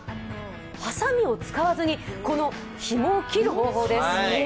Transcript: ハサミを使わずにひもを切る方法です。